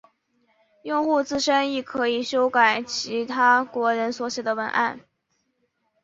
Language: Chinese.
用户自身亦可以修改其他国人所写的文章。